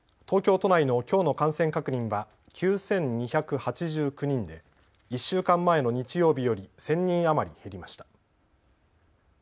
東京都内のきょうの感染確認は９２８９人で１週間前の日曜日より１０００人余り減りました。